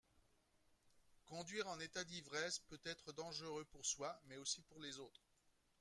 Conduire en état d'ivresse peut être dangereux pour soi mais aussi pour les autres.